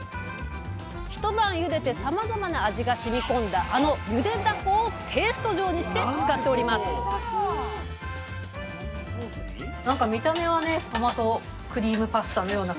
一晩ゆでてさまざまな味がしみ込んだあのゆでダコをペースト状にして使っておりますぜいたく！